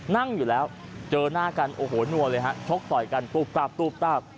นั่งอยู่แล้วเจอหน้ากันโอ้โหนัวเลยฮะชกต่อยกันตุ๊บตับตุ๊บตับ